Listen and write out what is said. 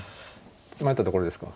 迷ったところですか？